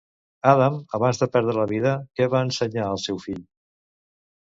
Adam, abans de perdre la vida, què va ensenyar al seu fill?